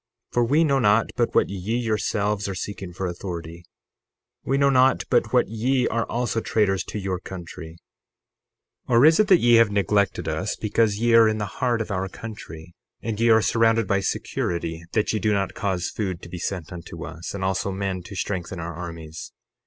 For we know not but what ye yourselves are seeking for authority. We know not but what ye are also traitors to your country. 60:19 Or is it that ye have neglected us because ye are in the heart of our country and ye are surrounded by security, that ye do not cause food to be sent unto us, and also men to strengthen our armies?